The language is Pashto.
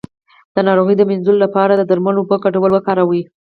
د ناروغۍ د مینځلو لپاره د درملو او اوبو ګډول وکاروئ